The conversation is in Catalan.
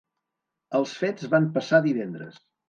Els fets van passar divendres.